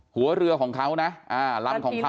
หัวเรือของเขานะลำของเขา